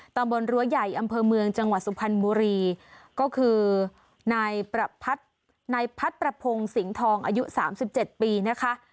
ตำบลรั้วใหญ่อำเภอเมืองจังหวัดสุพรรณบุรีก็คือนายพัดประพงสิงห์ทองอายุ๓๗ปีนะคะ